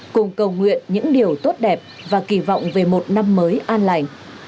cùng cầu nguyện những điều tốt đẹp và kỳ vọng về một năm mới an lành